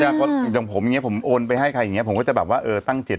อย่างผมอย่างเงี้ผมโอนไปให้ใครอย่างเงี้ผมก็จะแบบว่าเออตั้งจิต